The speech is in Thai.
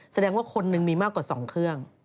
แสดงว่าคนหนึ่งมีมากกว่า๒เครื่อง